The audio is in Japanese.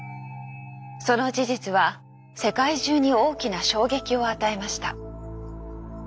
その事実は世界中に大きな衝撃を与えました。